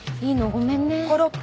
ごめんね。